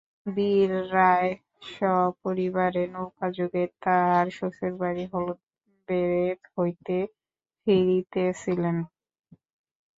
বীরু রায় সপরিবারে নৌকাযোগে তাঁহার শ্বশুরবাড়ী হলুদবেড়ে হইতে ফিরিতেছিলেন।